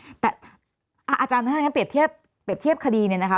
อาจารย์ถ้างั้นเปรียบเทียบคดีเนี่ยนะคะ